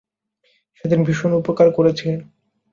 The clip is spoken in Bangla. সেদিন ভীষণ উপকার করেছিলেন।